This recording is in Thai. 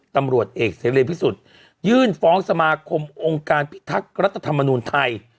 ตำรวจเอกสเตมีเยอะเวศอยื่นฟ้องสมาช์คมองค์การพิทักษ์รัฐธรรมนูญไทย